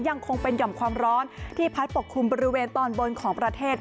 ยังคงเป็นห่อมความร้อนที่พัดปกคลุมบริเวณตอนบนของประเทศ